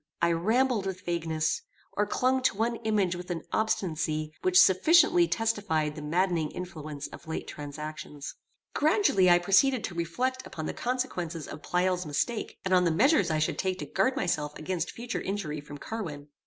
I rambled with vagueness, or clung to one image with an obstinacy which sufficiently testified the maddening influence of late transactions. Gradually I proceeded to reflect upon the consequences of Pleyel's mistake, and on the measures I should take to guard myself against future injury from Carwin.